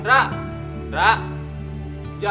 nanti gue jalan